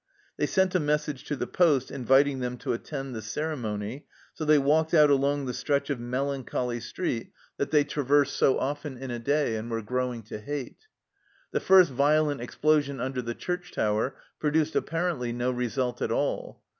They sent a message to the poste inviting them to attend the ceremony, so they walked out along the stretch of melancholy street that they traversed so THE END OF 1914 183 often in a day and were growing to hate. The first violent explosion under the church tower produced apparently no result at all.